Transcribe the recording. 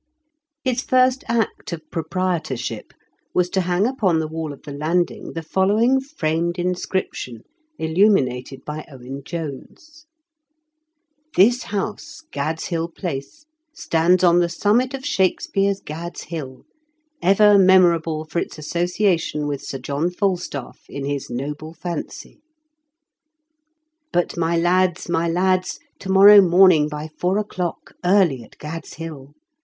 His first act of proprietorship was to hang upon the wall of the landing the following framed inscription, illuminated by Owen Jones : TmS HOUSE, GAD'S HILL PLACE, Stands on the summit of Shakespeare's Gad's Hill, ever memorable for its association with Sir John Falstaff in his noble fancy. " But, my lads, my lads, t(T morrow morning, by four o'clock, early at GacPs Hill